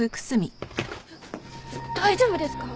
大丈夫ですか？